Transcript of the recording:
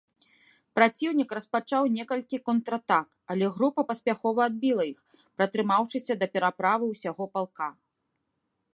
Праціўнік распачаў некалькі контратак, але група паспяхова адбіла іх, пратрымаўшыся да пераправы ўсяго палка.